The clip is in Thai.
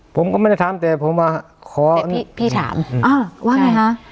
ผมก็ไม่ได้ทำแต่ผมว่าขอพี่พี่ถามอ้าวว่าไงฮะ